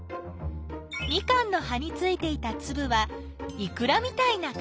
ミカンの葉についていたつぶはいくらみたいな形！